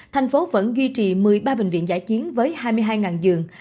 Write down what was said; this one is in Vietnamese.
tp hcm vẫn duy trì một mươi ba bệnh viện giải chiến với hai mươi hai giường